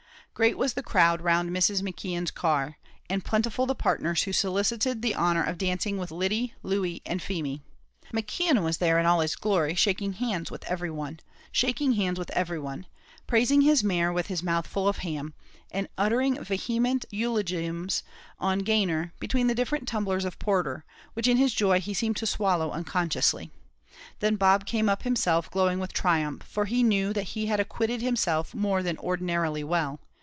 Great was the crowd round Mrs. McKeon's car, and plentiful the partners who solicited the honour of dancing with Lyddy, Louey, and Feemy. McKeon was there in all his glory, shaking hands with every one praising his mare with his mouth full of ham, and uttering vehement eulogiums on Gayner between the different tumblers of porter, which in his joy he seemed to swallow unconsciously. Then Bob came up himself, glowing with triumph, for he knew that he had acquitted himself more than ordinarily well.